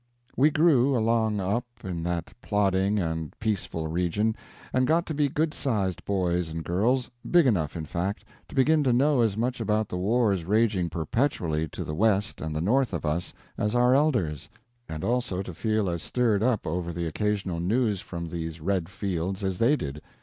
We grew along up, in that plodding and peaceful region, and got to be good sized boys and girls—big enough, in fact, to begin to know as much about the wars raging perpetually to the west and north of us as our elders, and also to feel as stirred up over the occasional news from these red fields as they did.